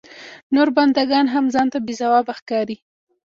نور بنده ګان هم ځان ته بې ځوابه ښکاري.